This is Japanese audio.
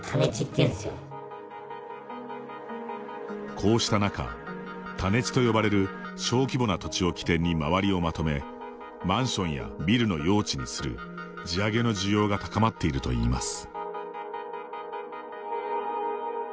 こうした中、種地と呼ばれる小規模な土地を起点に周りをまとめ、マンションやビルの用地にする地上げの需要が高まっているといいます。